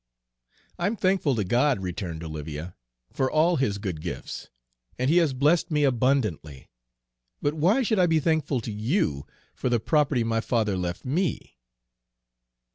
"I'm thankful to God," returned Olivia, "for all his good gifts, and He has blessed me abundantly, but why should I be thankful to you for the property my father left me?"